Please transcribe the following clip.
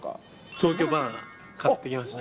東京ばな奈買ってきました。